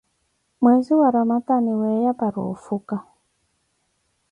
Mweezi wa ramadani weeya para ofuka.